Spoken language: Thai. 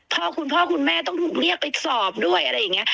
คุณพ่อคุณพ่อคุณแม่ต้องเรียกไปสอบด้วยอะไรอย่างนี้